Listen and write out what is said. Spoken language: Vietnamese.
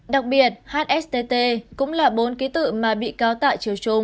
đặc biệt hstt cũng là bốn ký tự mà bị cáo tại chiều trung